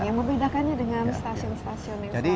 apa yang membedakannya dengan stasiun stasiun yang sekarang ini